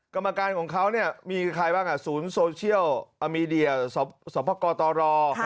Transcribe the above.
กรรมการของเขาเนี่ยมีใครบ้างศูนย์โซเชียลมีเดียสภกตร